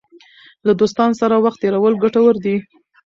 له دوستانو سره وخت تېرول ګټور دی.